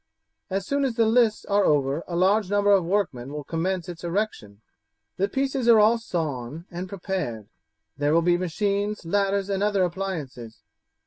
As soon as the lists are over a large number of workmen will commence its erection; the pieces are all sawn and prepared. There will be machines, ladders, and other appliances.